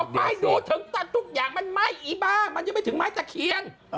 ไม้ดูถึงตันทุกอย่างมันไหม้อีบ้ามันยังไม่ถึงไม้ตะเคียน